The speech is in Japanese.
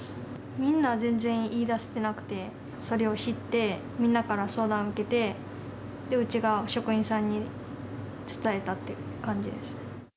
みんな、全然言い出せなくて、それを知って、みんなから相談受けて、うちが職員さんに伝えたっていう感じです。